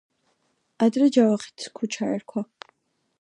ადრე ჯავახეთის ქუჩა ერქვა.